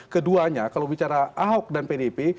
keduanya kalau bicara ahok dan pdip